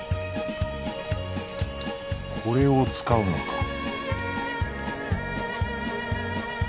これを使うのか